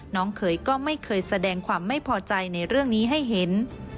เขยก็ไม่เคยแสดงความไม่พอใจในเรื่องนี้ให้เห็น